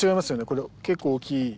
これ結構大きい。